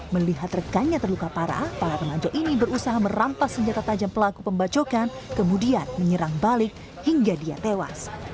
melihat rekannya terluka parah para remaja ini berusaha merampas senjata tajam pelaku pembacokan kemudian menyerang balik hingga dia tewas